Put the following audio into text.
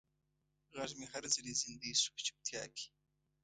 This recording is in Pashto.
غږ مې هر ځلې زندۍ شو په چوپتیا کې